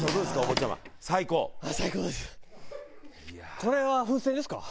これは風船ですか？